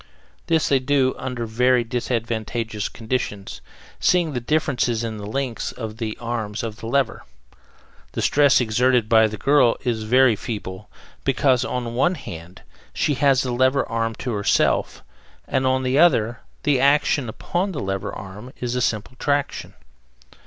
This they do under very disadvantageous conditions, seeing the difference in the length of the arms of the lever. The stress exerted by the girl is very feeble, because, on the one hand, she has the lever arm to herself, and, on the other, the action upon her lever arm is a simple traction.